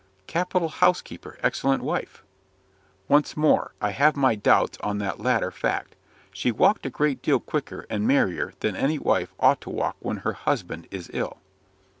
"Capital housekeeper! excellent wife!" "Once more I have my doubts on that latter fact. She walked a great deal quicker and merrier than any wife ought to walk when her husband is ill!"